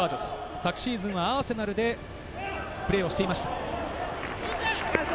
昨シーズン、アーセナルでプレーしていました。